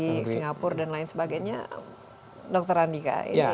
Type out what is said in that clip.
singapura dan lain sebagainya dokter andika